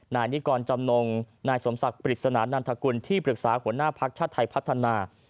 นายนิกรจำนงนายสมศักดิ์ปริศนานันทกุลที่ปรึกษาหัวหน้าภักดิ์ชาติไทยพัฒนา